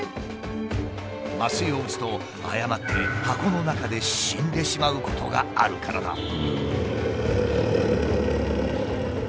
麻酔を打つと誤って箱の中で死んでしまうことがあるからだ。